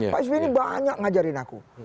pak sby ini banyak ngajarin aku